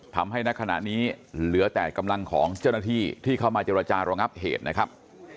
ณขณะนี้เหลือแต่กำลังของเจ้าหน้าที่ที่เข้ามาเจรจารองับเหตุนะครับ